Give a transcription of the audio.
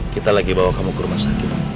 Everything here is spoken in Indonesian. kita lagi bawa kamu ke rumah sakit